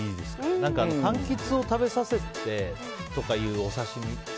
何かかんきつを食べさせてとかいうお刺し身。